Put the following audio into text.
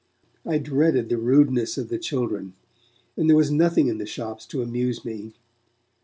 I dreaded the rudeness of the children, and there was nothing in the shops to amuse me.